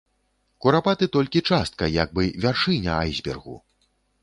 Курапаты толькі частка, як бы вяршыня айсбергу.